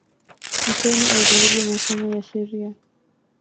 Mwishoni alijaribu masomo ya sheria.